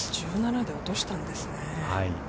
１７で落としたんですね。